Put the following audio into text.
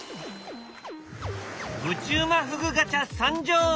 ぶちうまふぐガチャ参上！